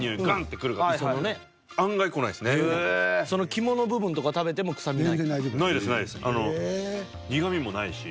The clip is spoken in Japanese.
その肝の部分とか食べても臭みない？